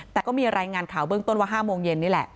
แต่ก็มีรายงานข่าวเบื้องต้นว่า๕โมงเย็นนี่แหละ